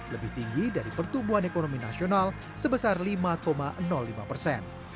lebih tinggi dari pertumbuhan ekonomi nasional sebesar lima lima persen